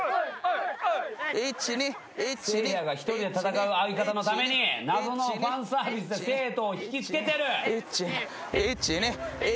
せいやが１人で戦う相方のために謎のファンサービスで生徒を引き付けてる！